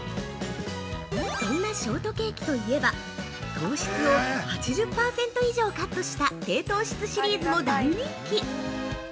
そんなショートケーキといえば糖質を８０％以上カットした低糖質シリーズも大人気。